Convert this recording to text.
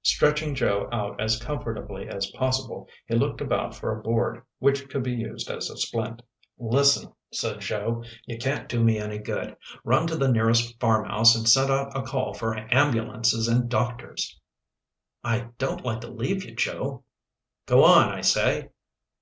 Stretching Joe out as comfortably as possible, he looked about for a board which could be used as a splint. "Listen," said Joe, "you can't do me any good. Run to the nearest farmhouse and send out a call for ambulances and doctors!" "I don't like to leave you, Joe." "Go on, I say!"